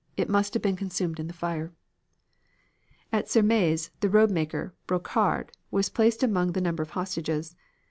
It must have been consumed in the fire. "At Sermaize, the roadmaker, Brocard, was placed among a number of hostages.